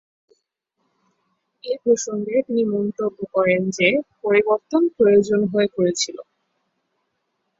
এ প্রসঙ্গে তিনি মন্তব্য করেন যে, পরিবর্তন প্রয়োজন হয়ে পড়েছিল।